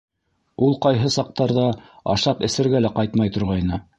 Ул ҡайһы саҡтарҙа ашап-эсергә лә ҡайтмай торғайны.